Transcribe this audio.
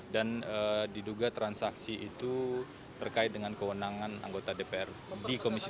dan diduga transaksi itu terkait dengan kewenangan anggota dpr di komisi tujuh